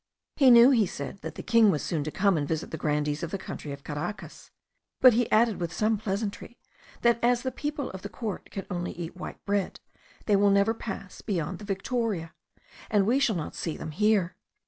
He knew, he said, that the king was soon to come and visit the grandees of the country of Caracas, but he added with some pleasantry, as the people of the court can eat only wheaten bread, they will never pass beyond the town of Victoria, and we shall not see them here.